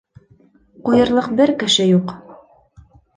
Ҡуйырлыҡ бер кеше юҡ.